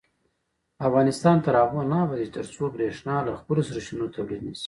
افغانستان تر هغو نه ابادیږي، ترڅو بریښنا له خپلو سرچینو تولید نشي.